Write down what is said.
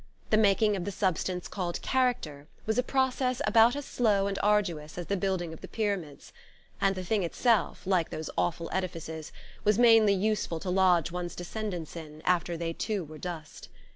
The making of the substance called character was a process about as slow and arduous as the building of the Pyramids; and the thing itself, like those awful edifices, was mainly useful to lodge one's descendants in, after they too were dust.